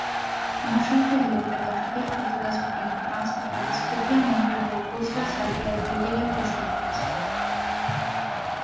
মহাসড়কটি ইউরোপ-এর দশটি দেশ Portugal, Spain, France, Italy, Scotia, Montenegro, Kosovo, Serbia, Bulgaria, তুরস্ক দিয়ে গেছে।